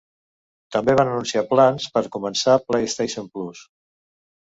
També van anunciar plans per començar PlayStation Plus.